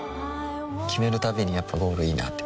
決めるたびにやっぱゴールいいなってふん